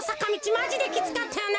マジできつかったよな。